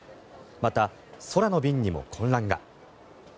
また、空の便にも混乱が。